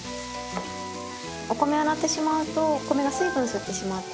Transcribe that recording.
お米を洗ってしまうとお米が水分吸ってしまって。